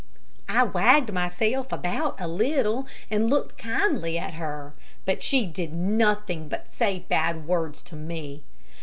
I wagged myself about a little, and looked kindly at her, but she did nothing but say bad words to me.